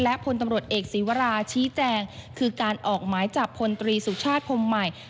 และพลตำรวจเอกศีวราชี้แจงคือการออกหมายจับพลตรีสุชาติพรมใหม่